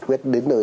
quyết đến nơi